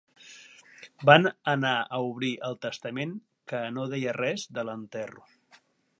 Van anar a obrir el testament, que no deia res de l'enterro.